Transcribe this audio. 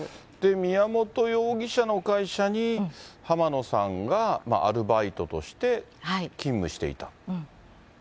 宮本容疑者の会社に浜野さんがアルバイトとして勤務していた？